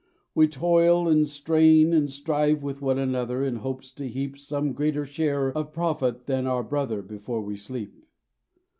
We toil and strain and strive with one another In hopes to heap Some greater share of profit than our brother Before we sleep.